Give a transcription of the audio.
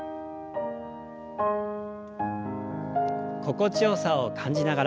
心地よさを感じながら。